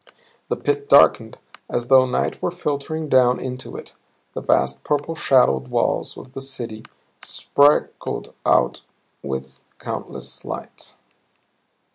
The pit darkened as though night were filtering down into it; the vast, purple shadowed walls of the city sparkled out with countless lights.